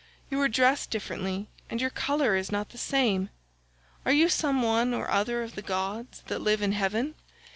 You are dressed differently and your colour is not the same. Are you some one or other of the gods that live in heaven?